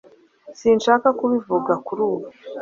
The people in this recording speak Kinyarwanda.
Sinshaka kubivuga kuri ubu.